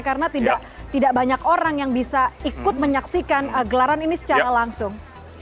karena tidak banyak orang yang bisa ikut menyaksikan gelaran ini secara langsung